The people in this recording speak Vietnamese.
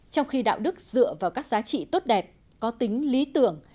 trong khi đạo đức dựa vào các giá trị tốt đẹp có tính lý tưởng